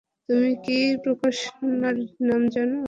তুমি কি প্রকাশনার নাম জানো?